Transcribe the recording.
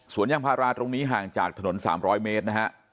ยางพาราตรงนี้ห่างจากถนน๓๐๐เมตรนะฮะ